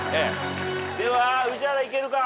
では宇治原いけるか？